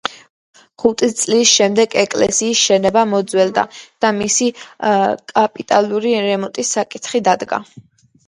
ხუთი წლის შემდეგ ეკლესიის შენობა მოძველდა და მისი კაპიტალური რემონტის საკითხი დადგა.